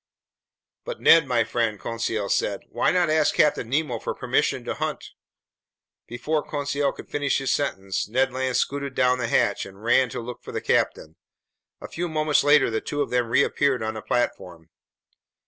"But Ned my friend," Conseil said, "why not ask Captain Nemo for permission to hunt—" Before Conseil could finish his sentence, Ned Land scooted down the hatch and ran to look for the captain. A few moments later, the two of them reappeared on the platform.